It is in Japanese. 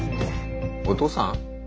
お父さん？